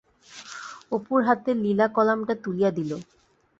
অপুর হাতে লীলা কলামটা তুলিয়া দিল।